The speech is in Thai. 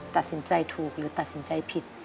ตัดสินใจถูกหรือตัดสินใจผิด